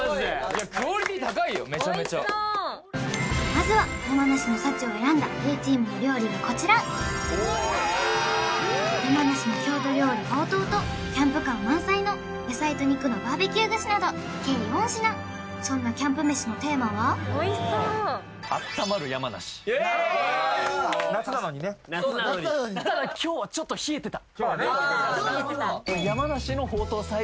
めちゃめちゃおいしそうまずは山梨の幸を選んだＡチームの料理がこちら山梨の郷土料理ほうとうとキャンプ感満載の野菜と肉のバーベキュー串など計４品そんなキャンプ飯のテーマはイエーイ夏なのにね・夏なのにただ今日はね・ああ